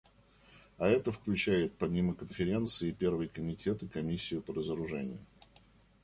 А это включает помимо Конференции и Первый комитет и Комиссию по разоружению.